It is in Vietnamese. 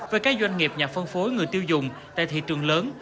với các doanh nghiệp nhà phân phối người tiêu dùng tại thị trường lớn